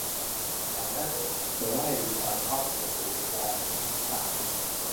However, a variety of obstacles lie in his path.